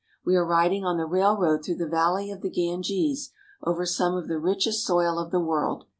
We are riding on the railroad through the valley of the Ganges over some of the richest soil of the world.